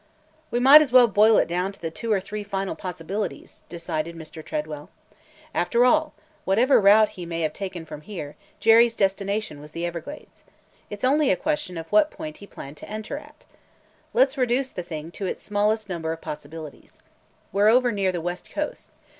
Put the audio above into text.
"We might as well boil it down to the two or three final possibilities," decided Mr. Tredwell. "After all, whatever route he may have taken from here, Jerry's destination was the Everglades. It 's only a question of what point he planned to enter at. Let 's reduce the thing to its smallest number of possibilities. We 're over near the west coast.